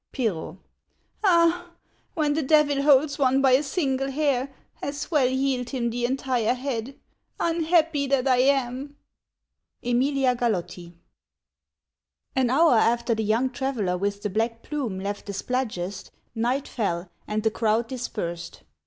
Pirro. Ah ! When the Devil holds one by a single hair, as well yield him the entire head. Unhappy that I am ! EMIUA GAI.OTTI. AN hour after the young traveller with the black plume left the Spladgest, night fell, and the crowd dispersed.